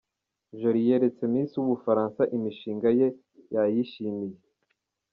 Jolly yeretse Miss w’u Bufaransa imishinga ye, yayishimiye.